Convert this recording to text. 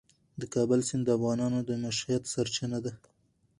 د کابل سیند د افغانانو د معیشت سرچینه ده.